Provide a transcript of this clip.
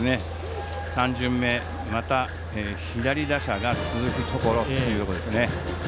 ３巡目、また左打者が続くところというところですね。